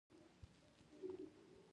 آیا د پستې ونې وچکالۍ ته مقاومت لري؟